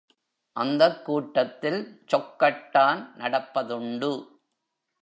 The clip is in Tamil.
அந்தக் கூட்டத்தில் சொக்கட்டான் நடப்பதுண்டு.